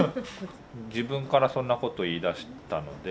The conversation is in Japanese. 自分からそんなこと言いだしたので。